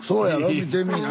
見てみいな。